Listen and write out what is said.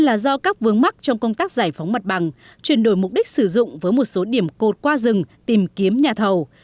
là do các vướng mắc trong công tác giải phóng mặt bằng chuyển đổi mục đích sử dụng với một số điểm cột qua rừng tìm kiếm nhà thầu